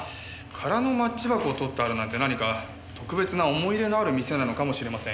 空のマッチ箱をとってあるなんて何か特別な思い入れのある店なのかもしれません。